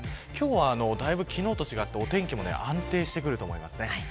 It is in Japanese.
今日は、だいぶ昨日と違ってお天気も安定してくると思います。